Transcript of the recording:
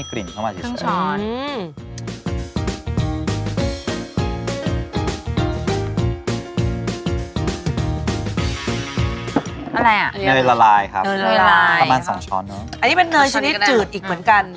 อะไรอ่ะเนยละลายครับเนยละลายประมาณสองช้อนเนอะอันนี้เป็นเนยชนิดจืดอีกเหมือนกัน